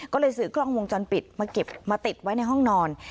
ก็เลยซื้อกล้องวงจรปิดมาเก็บมาติดไว้ในห้องนอน